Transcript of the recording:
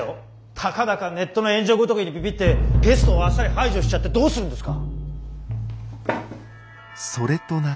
たかだかネットの炎上ごときにびびってゲストをあっさり排除しちゃってどうするんですか！